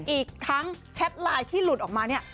อีกทั้งแชทไลน์ที่หลุดออกมาเนี่ย